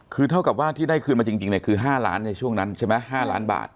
คือเท่ากับว่าที่ได้คืนมาจริงเนี่ยคือ๕ล้านในช่วงนั้นใช่ไหม๕ล้านบาท